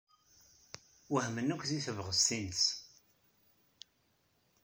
Wehmen akk deg tebɣest-nnes.